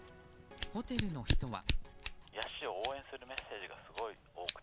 ホテルの人は。